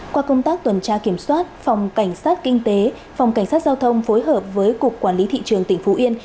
qua công tác tuần tra kiểm soát phòng cảnh sát kinh tế phòng cảnh sát giao thông phối hợp với cục quản lý thị trường tỉnh phú yên